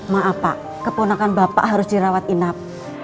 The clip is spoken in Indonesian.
maaf pak keponakan bapak harus dirawat inap